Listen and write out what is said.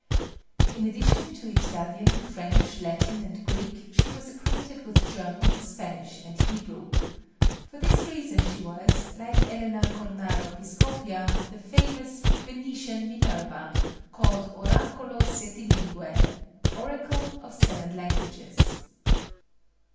In addition to Italian, French, Latin and Greek, she was acquainted with German, Spanish and Hebrew. For this reason she was, like Elena Cornaro Piscopia, the famous "Venetian Minerva," called Oracolo Settilingue Oracle of Seven Languages.